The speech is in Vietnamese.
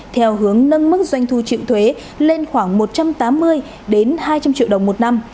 theo hướng nâng mức doanh thu triệu thuế lên khoảng một trăm tám mươi hai trăm linh triệu đồng một năm